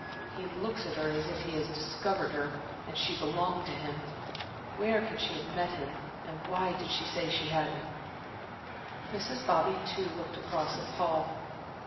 "He looks at her as if he had discovered her and she belonged to him. Where can she have met him, and why did she say she hadn't." Mrs. Bobby, too, looked across at Paul.